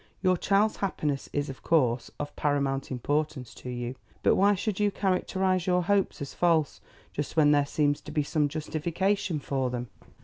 Your child's happiness is, of course, of paramount importance to you. But why should you characterise your hopes as false, just when there seems to be some justification for them."